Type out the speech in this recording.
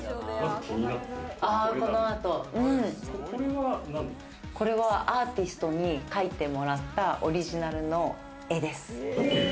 このアート、これはアーティストに描いてもらったオリジナルの絵です。